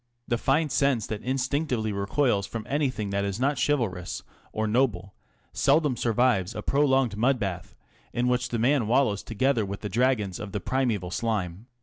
The fine sense that instinctively recoils from any thing that is not chivalrous or noble seldom survives a prolonged mud bath in which the man wallows together Character Sketch. 335 with the dragons of the primeval slime.